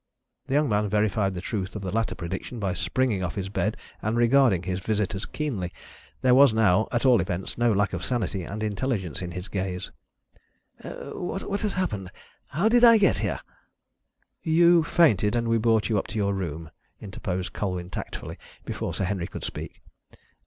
The young man verified the truth of the latter prediction by springing off his bed and regarding his visitors keenly. There was now, at all events, no lack of sanity and intelligence in his gaze. "What has happened? How did I get here?" "You fainted, and we brought you up to your room," interposed Colwyn tactfully, before Sir Henry could speak.